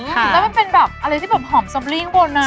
แล้วมันเป็นแบบอะไรที่แบบหอมซอบรี่ข้างบนนะ